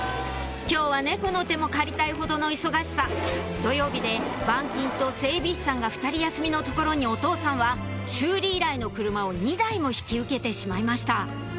今日は猫の手も借りたいほどの忙しさ土曜日で板金と整備士さんが２人休みのところにお父さんは修理依頼の車を２台も引き受けてしまいました